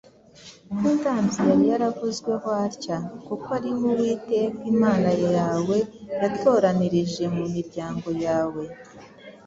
Umutambyi yari yaravuzweho atya: “Kuko ari we Uwiteka Imana yawe yatoranirije mu miryango yawe